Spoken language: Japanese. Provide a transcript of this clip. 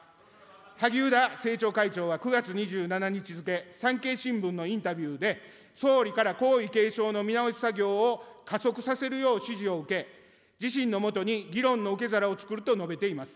萩生田政調会長は９月２７日付、産経新聞のインタビューで、総理から皇位継承の見直し作業を加速させるよう指示を受け、自身のもとに議論の受け皿をつくると述べています。